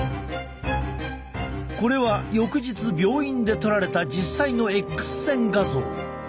これは翌日病院で撮られた実際のＸ線画像。